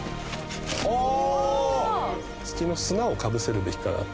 月の砂をかぶせるべきかなって。